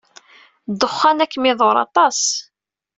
Ddexxan ad kem-iḍurr aṭas.